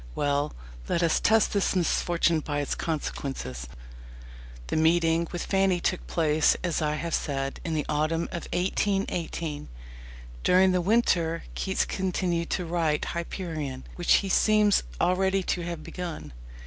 Well, let us test this "misfortune" by its consequences. The meeting with Fanny took place, as I have said, in the autumn of 1818. During the winter Keats continued to write Hyperion, which he seems already to have begun.